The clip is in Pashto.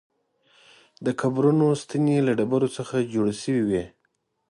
د قبرونو ستنې له ډبرو څخه جوړې شوې وې.